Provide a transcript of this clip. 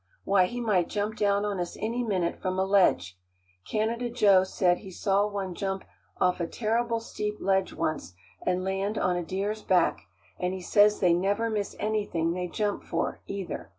Why, he might jump down on us any minute from a ledge. Canada Joe said he saw one jump off a terrible steep ledge once and land on a deer's back, and he says they never miss anything they jump for, either."